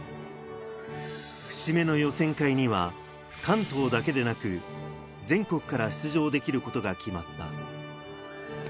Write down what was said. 節目の予選会には関東だけでなく、全国から出場できることが決まった。